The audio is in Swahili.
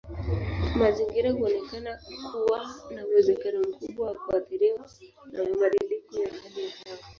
Mazingira huonekana kuwa na uwezekano mkubwa wa kuathiriwa na mabadiliko ya hali ya hewa.